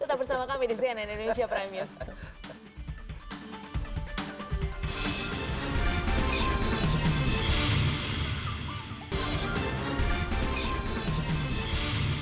tetap bersama kami di cnn indonesia prime news